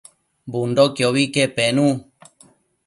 Bundoquiobi que penu